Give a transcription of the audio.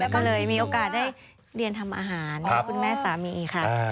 แล้วก็เลยมีโอกาสได้เรียนทำอาหารให้คุณแม่สามีค่ะ